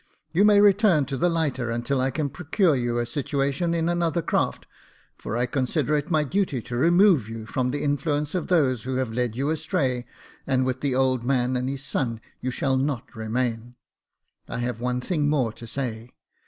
You may return to the lighter until I can procure you a situation in another craft, for I consider it my duty to remove you from the influence of those who have led you astray, and with the old man and his son you shall not remain. I have one thing more to say.